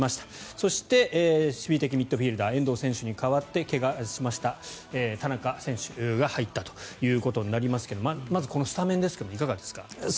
そして守備的ミッドフィールダー遠藤選手に代わって怪我しました田中選手が入ったということになりますがまずこのスタメンですがいかがですか。